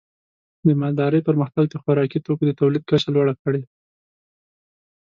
د مالدارۍ پرمختګ د خوراکي توکو د تولید کچه لوړه کړې.